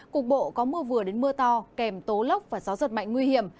cục bộ có mưa vừa đến mưa to kèm tố lốc và gió giật mạnh nguy hiểm